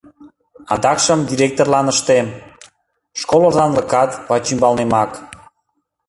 Адакшым директорлан ыштем — школ озанлыкат вачӱмбалнемак...